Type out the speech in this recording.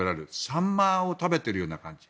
サンマを食べているような感じ。